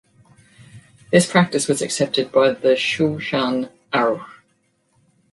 This practice was accepted by the Shulchan Aruch.